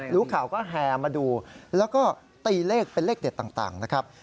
รู้ข่าวก็แห่มาดูแล้วก็ตีเลขเป็นเลขเด็ดต่างนะครับ